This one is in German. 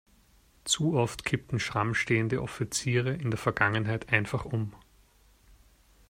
Zu oft kippten stramm stehende Offiziere in der Vergangenheit einfach um.